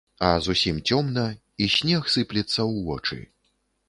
А зусім цёмна, і снег сыплецца ў вочы.